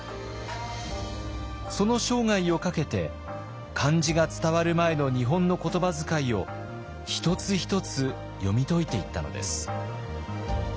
その生涯をかけて漢字が伝わる前の日本の言葉遣いを一つ一つ読み解いていったのです。